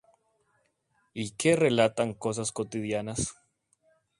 Y que relatan cosas cotidianas.